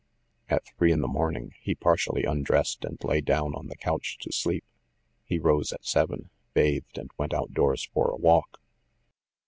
At three in the morning, he partially undressed and lay down on the couch to sleep. He rose at seven, bathed, and went outdoors for a walk.